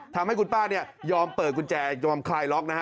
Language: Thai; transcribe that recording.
ทำให้คุณป้าเนี่ยยอมเปิดกุญแจยอมคลายล็อกนะฮะ